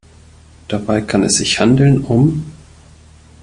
Dabei kann es sich handeln um